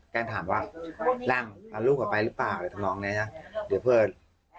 แก้มถามว่าหลังลูกออกไปหรือเปล่าหรือท่านน้องเนี่ยนะ